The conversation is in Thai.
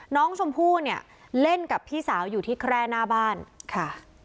น้องชมพู่เนี่ยเล่นกับพี่สาวอยู่ที่แคร่หน้าบ้านค่ะ